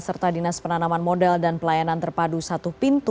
serta dinas penanaman modal dan pelayanan terpadu satu pintu